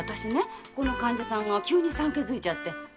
ここの患者さんが急に産気づいちゃって。